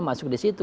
masuk di situ